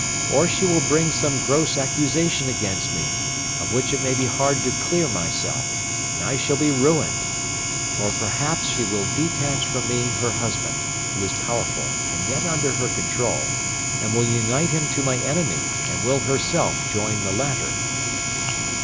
Or she will bring some gross accusation against me, of which it may be hard to clear myself, and I shall be ruined. Or perhaps she will detach from me her husband, who is powerful, and yet under her control, and will unite him to my enemy, or will herself join the latter.